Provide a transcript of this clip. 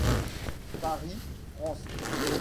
Paris, France.